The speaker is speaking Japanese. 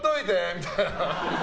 みたいな。